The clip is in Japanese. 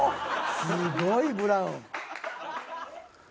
すごいブラウン。